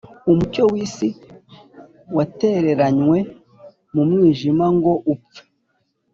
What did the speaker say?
umucyo w'isi watereranywe mu mwijima ngo upfe